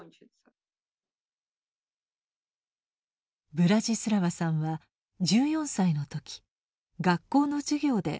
ブラジスラワさんは１４歳の時学校の授業で俳句に出会いました。